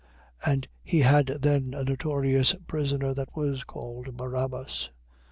27:16. And he had then a notorious prisoner that was called Barabbas. 27:17.